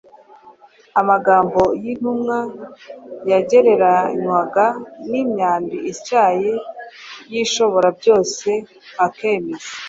Amagambo y’intumwa yagereranywaga n’imyambi ityaye y’Ishoborabyose akemeza